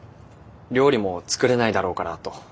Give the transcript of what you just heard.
料理も作れないだろうからと。